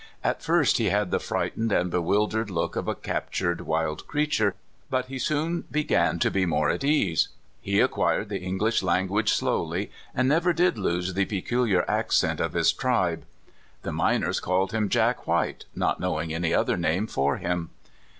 At first he had the frightened and bewildered look of a captured wild creature, but he soon began to be more at ease. He acquired the English language slowly, and never did lose the peculiar accent of his tribe. The miners called him Jack White, not knowing any other name for him.